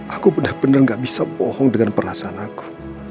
aku benar benar gak bisa bohong dengan perasaan aku